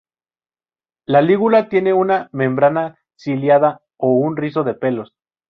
La lígula tiene una membrana ciliada, o un rizo de pelos.